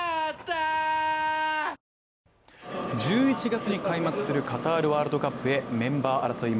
ＪＴ１１月に開幕するカタールワールドカップへメンバー争い